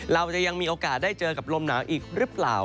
เราจะยังมีโอกาสได้เจอกับลมหนาวอีกหรือเปล่า